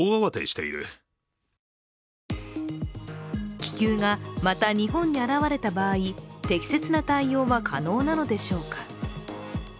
気球が、また日本に現れた場合適切な対応は可能なのでしょうか。